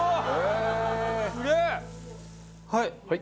はい。